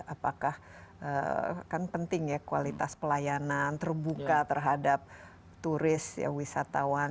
apakah kan penting ya kualitas pelayanan terbuka terhadap turis wisatawan